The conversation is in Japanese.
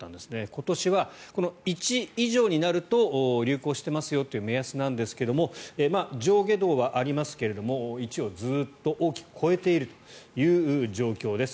今年は１以上になると流行してますよという目安なんですが上下動はありますが１をずっと大きく超えているという状況です。